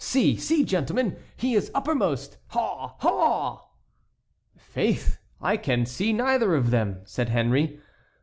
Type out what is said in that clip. "See, see, gentlemen, he is uppermost! Haw! haw!" "Faith, I can see neither of them," said Henry.